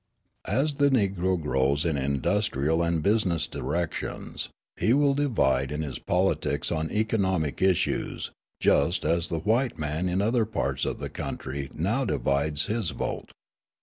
As the Negro grows in industrial and business directions, he will divide in his politics on economic issues, just as the white man in other parts of the country now divides his vote.